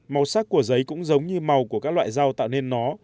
màu sắc của giấy cũng giống như màu của các loại rau tạo nên nó